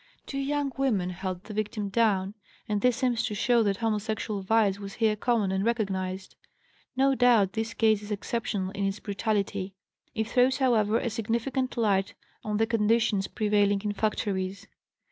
Two young women held the victim down, and this seems to show that homosexual vice was here common and recognized. No doubt, this case is exceptional in its brutality. It throws, however, a significant light on the conditions prevailing in factories.